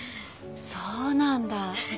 そうなんだ。